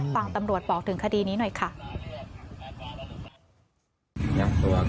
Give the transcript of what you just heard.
ตำรวจบอกถึงคดีนี้หน่อยค่ะ